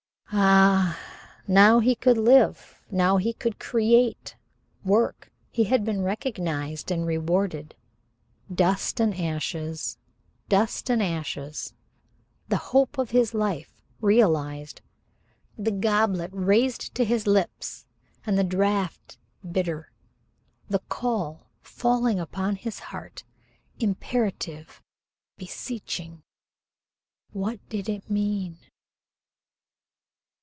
Ah, now he could live. Now he could create work: he had been recognized, and rewarded Dust and ashes! Dust and ashes! The hope of his life realized, the goblet raised to his lips, and the draft bitter. The call falling upon his heart imperative beseeching what did it mean?